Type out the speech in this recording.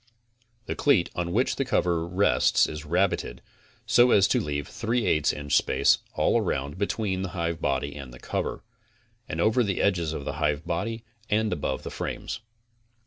The cleat on which the cover rests is rabited so as to leave a 3 8 inch space all raound between the hivebody and cover, and over the edges of the hivebody and above the frames.